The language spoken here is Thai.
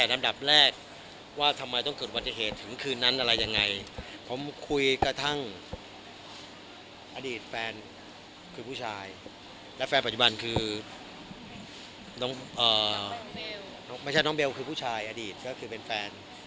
น้องเบลไม่ใช่น้องเบลคือผู้ชายอดีตก็คือเป็นแฟน